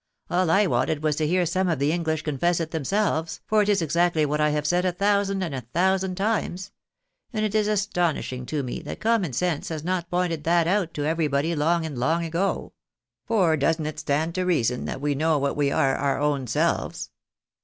" All I wanted was to hear some of the English confess it themselves, for it is exactly what I have said a thousand and a thousand times ; and it is aston ishing to me that common sense has not pointed that out to every body, long and long ago. For doesn't it stand to reason that we know what we are our own selves